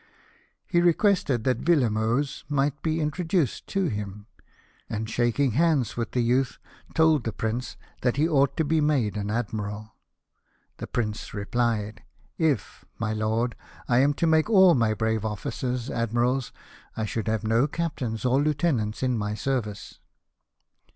He requested that Villemoes might be introduced to him ; and shaking hands with the youth, told the Prince that he ought to be made an admiral. The Prince replied :" If, my lord, I am to make all my brave officers admirals, I should have no captains or lieutenants in my service."